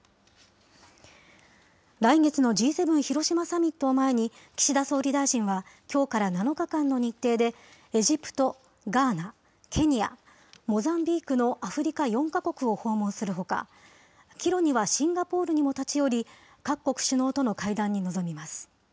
来月のＧ７広島サミットを前に、岸田総理大臣は、きょうから７日間の日程で、エジプト、ガーナ、ケニア、モザンビークのアフリカ４か国を訪問するほか、帰路にはシンガポールにも立ち寄り、各国首脳との会談に臨みます。